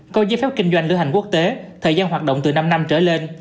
có giấy phép kinh doanh lữ hành quốc tế thời gian hoạt động từ năm năm trở lên